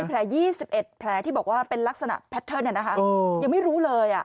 แผล๒๑แผลที่บอกว่าเป็นลักษณะแพทเทิร์นยังไม่รู้เลย